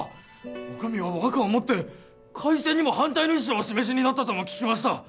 お上は和歌をもって開戦にも反対の意思をお示しになったとも聞きました